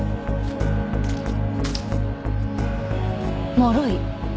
もろい。